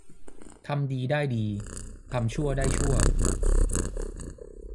ทำดีได้ดีทำชั่วได้ชั่ว